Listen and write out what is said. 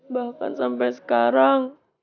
bahkan sampai sekarang